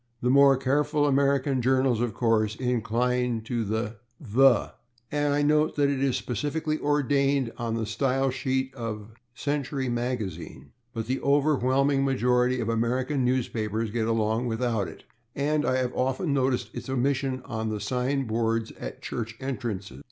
The more careful American journals, of course, incline to the /the/, and I note that it is specifically ordained on the Style sheet of the /Century Magazine/, but the overwhelming majority of American newspapers get along without it, and I have often noticed its omission on the sign boards at church entrances.